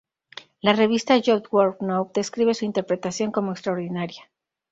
La revista Youth Work Now describe su interpretación como "extraordinaria".